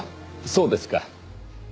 そうですか。